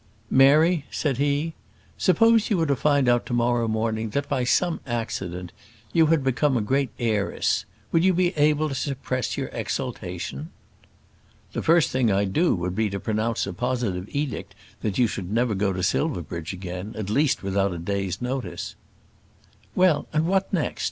"Mary," said he, "suppose you were to find out to morrow morning that, by some accident, you had become a great heiress, would you be able to suppress your exultation?" "The first thing I'd do, would be to pronounce a positive edict that you should never go to Silverbridge again; at least without a day's notice." "Well, and what next?